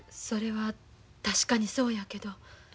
それは確かにそうやけど。